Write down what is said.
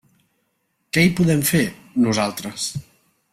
Què hi podem fer, nosaltres?